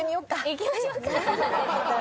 行きましょうか。